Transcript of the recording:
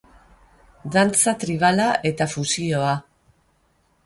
Dantza tribala eta fusioa.